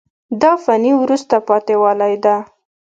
دا فني وروسته پاتې والی ده.